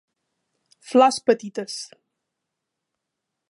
Flors petites.